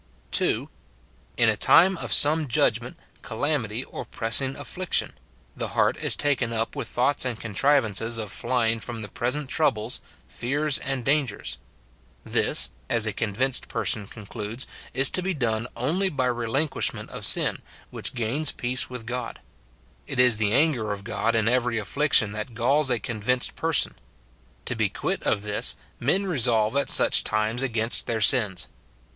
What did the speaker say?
[2.] In a time of some judgment, calamity, or press ing afiliction ; the heart is taken up with thoughts and contrivances of flying from the present troubles, fears, and dangers. This, as a convinced person concludes, is to be done only by relinquishment of sin, which gains 188 MORTIFICATION OF peace with God. It is the anger of God in every afflic tion that galls a convinced person. To be quit of this, men resolve at such times against their sins.